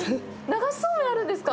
流しそうめんあるんですか！